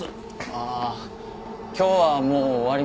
ああ今日はもう終わりなんで。